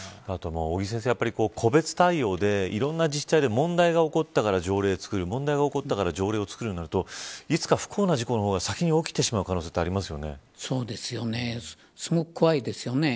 尾木先生、個別対応でいろんな自治体で問題が起こったから条例をつくる問題が起こったから条例をつくるとなるといつか不幸な事故の方が先に起きてしまう可能性はそれがすごく怖いですよね。